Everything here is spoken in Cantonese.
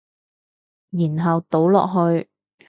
然後倒落去